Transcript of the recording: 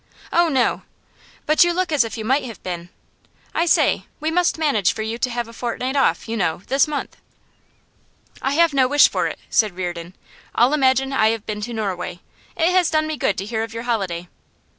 'Oh no!' 'But you look as if you might have been. I say, we must manage for you to have a fortnight off, you know, this month.' 'I have no wish for it,' said Reardon. 'I'll imagine I have been to Norway. It has done me good to hear of your holiday.